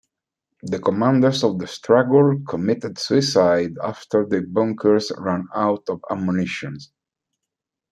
The commanders of the struggle committed suicide after their bunkers ran out of ammunition.